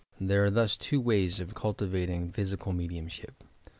There are thus two ways of cultivating physical me diumship.